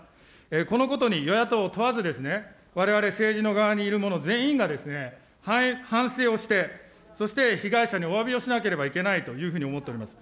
このことに与野党問わず、われわれ政治の側にいる者全員が反省をして、そして被害者におわびをしなければいけないというふうに思っております。